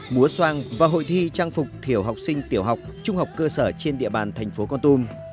múa soang và hội thi trang phục thiểu học sinh tiểu học trung học cơ sở trên địa bàn thành phố con tum